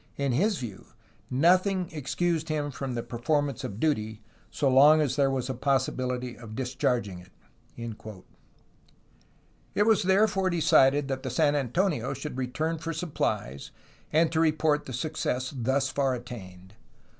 In his view noth ing excused him from the performance of duty, so long as there was possibility of discharging it." It was therefore decided that the San Antonio should return for supplies and to report the success thus far attained.